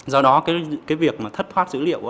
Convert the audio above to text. do đó cái việc mà thay đổi dữ liệu